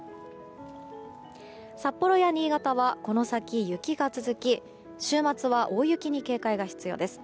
札幌や新潟はこの先雪が続き週末は大雪に警戒が必要です。